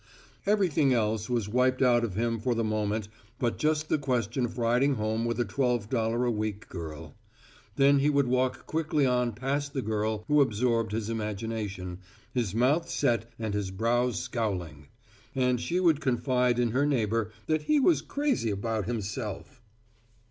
Everything else was wiped out of him for the moment but just the question of riding home with a twelve dollar a week girl. Then he would walk quickly on past the girl who absorbed his imagination, his mouth set and his brows scowling. And she would confide in her neighbor that he was crazy about himself.